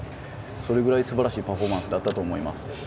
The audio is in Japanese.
それぐらいすばらしいパフォーマンスだったと思います。